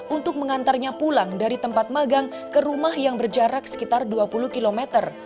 untuk mengantarnya pulang dari tempat magang ke rumah yang berjarak sekitar dua puluh km